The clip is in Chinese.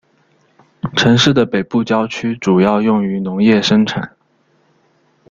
城市的北部郊区主要用于农业生产。